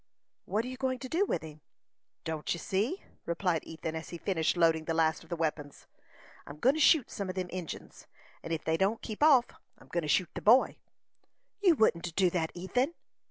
"What are you going to do with him?" "Don't ye see?" replied Ethan, as he finished loading the last of the weapons. "I'm go'n to shoot some of them Injins; and ef they don't keep off I'm go'n to shoot the boy." "You wouldn't do that, Ethan."